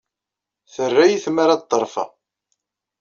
Terra-iyi tmara ad ḍerrfeɣ.